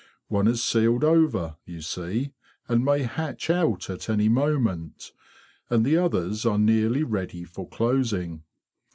One is sealed over, you see, and may hatch out at any moment; and the others are nearly ready for closing.